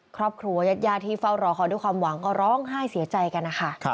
ครอบครัวยาดที่เฝ้ารอคอยด้วยความหวังก็ร้องไห้เสียใจกันนะคะ